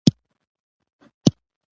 بوټونه د باران پر ورځ ضروري دي.